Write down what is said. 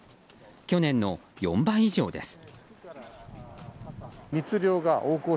去年の４倍以上です。